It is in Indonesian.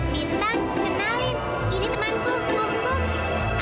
bintang kenalin ini temanku kumkum